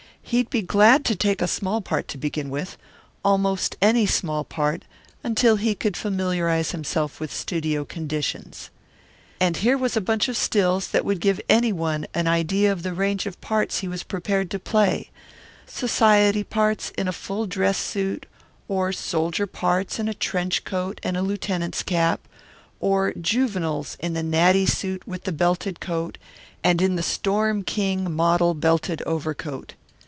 He would be glad to take a small part to begin with almost any small part until he could familiarize himself with studio conditions. And here was a bunch of stills that would give any one an idea of the range of parts he was prepared to play, society parts in a full dress suit, or soldier parts in a trench coat and lieutenant's cap, or juveniles in the natty suit with the belted coat, and in the storm king model belted overcoat.